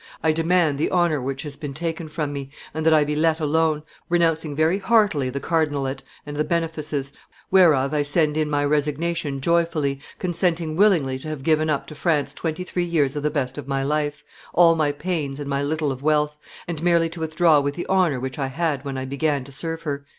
I demand the honor which has been taken from me, and that I be let alone, renouncing very heartily the cardinalate and the benefices, whereof I send in my resignation joyfully, consenting willingly to have given up to France twenty three years of the best of my life, all my pains and my little of wealth, and merely to withdraw with the honor which I had when I began to serve her."